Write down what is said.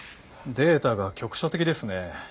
データが局所的ですね。